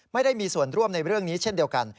ไม่ได้มีส่วนร่วมในเรื่องนี้เช่นเดียวกัน